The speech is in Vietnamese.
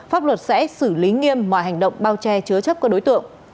pháp luật sẽ xử lý nghiêm mọi hành động bao che chứa chấp các đối tượng